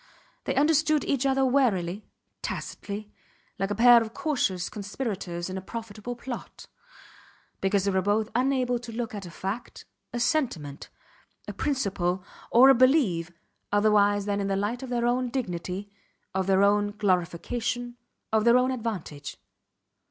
They understood each other warily, tacitly, like a pair of cautious conspirators in a profitable plot; because they were both unable to look at a fact, a sentiment, a principle, or a belief otherwise than in the light of their own dignity, of their own glorification, of their own advantage.